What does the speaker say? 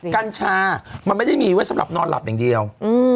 กัญชามันไม่ได้มีไว้สำหรับนอนหลับอย่างเดียว